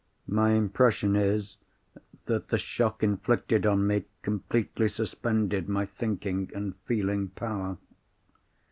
My impression is that the shock inflicted on me completely suspended my thinking and feeling power.